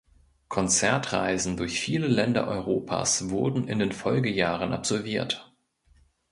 Konzertreisen durch viele Länder Europas wurden in den Folgejahren absolviert.